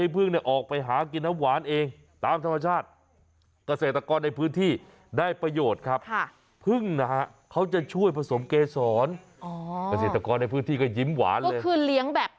พึ่งเด็มไปหมดเลยโอ๊ยฟังไม่รู้เรื่อง